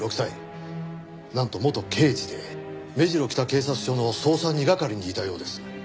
なんと元刑事で目白北警察署の捜査二係にいたようです。